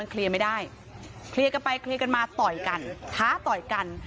เคลียร์ไม่ได้เคลียร์กันไปเคลียร์กันมาต่อยกันท้าต่อยกัน